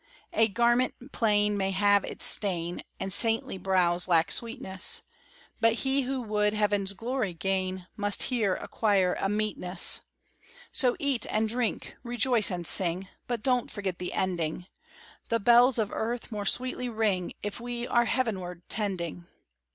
A garment plain may have its stain, And saintly brows lack sweetness; But he who would heaven's glory gain Must here acquire a meetness; So eat and drink, rejoice and sing, But don't forget the ending; The bells of earth more sweetly ring If we are heavenward tending.